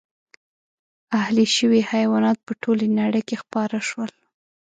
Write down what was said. اهلي شوي حیوانات په ټولې نړۍ کې خپاره شول.